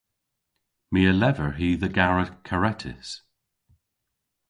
My a lever hi dhe gara karettys.